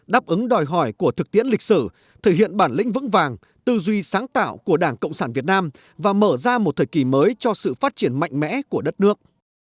đáp ứng đòi hỏi của thực tiễn lịch sử thể hiện bản lĩnh vững vàng tư duy sáng tạo của đảng cộng sản việt nam và mở ra một thời kỳ mới cho sự phát triển mạnh mẽ của đất nước